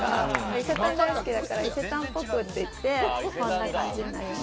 伊勢丹大好きだから、伊勢丹ぽくって言って、こんな感じになりま